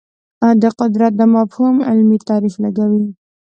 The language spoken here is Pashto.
د قدرت دا مفهوم علمي تعریف لګوي